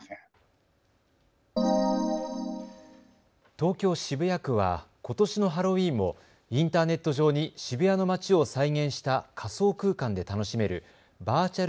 東京渋谷区は、ことしのハロウィーンもインターネット上に渋谷の街を再現した仮想空間で楽しめるバーチャル